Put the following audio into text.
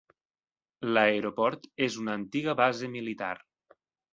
L'aeroport és una antiga base militar.